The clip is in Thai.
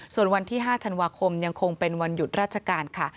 ส่วนวันที่๕ธันวาคมยังคงเป็นวันหยุดราชการค่ะ